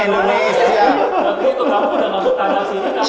tapi itu kamu udah masuk tanah sini